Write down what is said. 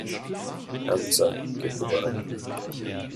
Hanser geboren.